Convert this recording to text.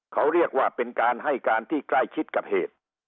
เขาเรียกว่าเป็นการให้การที่ใกล้ชิดกับเหตุ